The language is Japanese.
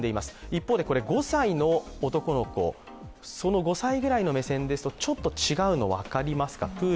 一方で５歳ぐらいの目線ですとちょっと違うの、分かりますか？。